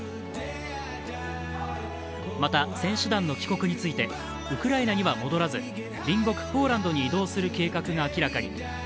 また、選手団の帰国について、ウクライナには戻らず隣国・ポーランドに移動する計画が明らかに。